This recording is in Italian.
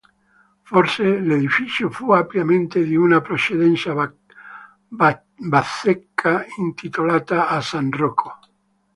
Forse l'edificio fu un ampliamento di una precedente bacheca intitolata a san Rocco.